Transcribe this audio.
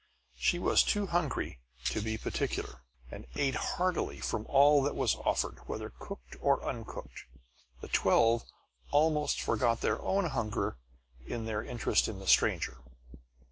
She was too hungry to be particular, and ate heartily of all that was offered, whether cooked or uncooked. The twelve almost forgot their own hunger in their interest in the stranger.